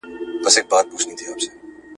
د غم په شپه یې خدای پیدا کړی ..